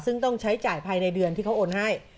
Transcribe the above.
ซึ่งต้องใช้จ่ายภายในเดือนที่เขาโอนให้